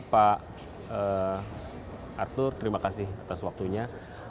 pak arthur terima kasih atas waktunya